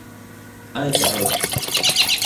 敢えてあう